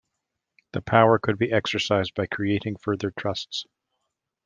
The power could be exercised by creating further trusts.